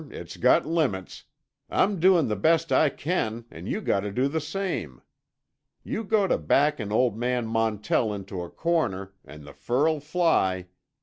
It's got limits! I'm doin' the best I can, and you got to do the same. You go to backin' old man Montell into a corner, and the fur'll fly.